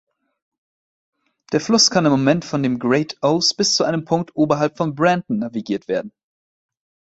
Der Fluss kann im Moment von dem Great Ouse bis zu einem Punkt oberhalb von Brandon navigiert werden.